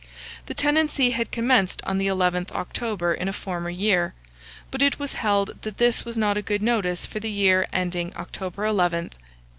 The tenancy had commenced on the 11th October in a former year, but it was held that this was not a good notice for the year ending October 11, 1841.